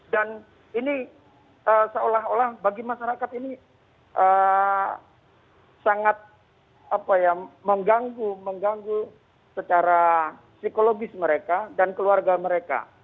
dan ini seolah olah bagi masyarakat ini sangat mengganggu secara psikologis mereka dan keluarga mereka